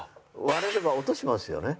割れれば音しますよね。